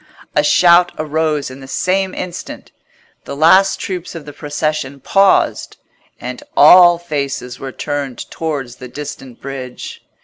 A shout arose in the same instant; the last troops of the procession paused, and all faces were turned towards the distant bridge.